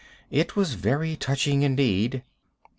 It was very touching indeed.